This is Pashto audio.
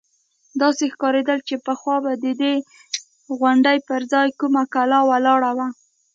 داسې ښکارېدل چې پخوا به د دې غونډۍ پر ځاى کومه کلا ولاړه وه.